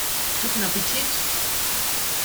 Guten Appetit